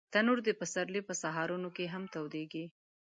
تنور د پسرلي په سهارونو کې هم تودېږي